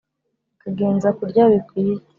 ukagenza kurya bikwiye